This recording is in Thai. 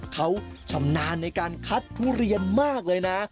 เขาชำนาญในการคัดทุเรียนมากเลยนะ